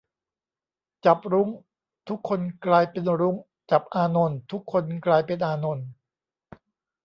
"จับรุ้ง ทุกคนกลายเป็นรุ้ง จับอานนท์ ทุกคนกลายเป็นอานนท์"